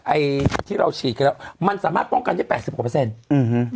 ไอ้ที่เราฉีดกันแล้วมันสามารถป้องกันได้แปดสิบกว่าเปอร์เซ็นต์อืม